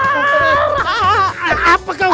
alhamdulillah bang batar